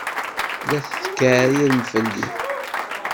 La tetkeɛrirem fell-i?